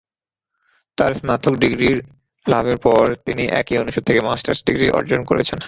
তার স্নাতক ডিগ্রি লাভের পর, তিনি একই অনুষদ থেকে মাস্টার্স ডিগ্রি অর্জন করেছেন।